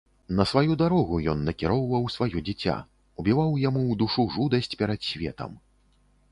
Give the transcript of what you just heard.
На сваю дарогу ён накіроўваў сваё дзіця, убіваў яму ў душу жудасць перад светам.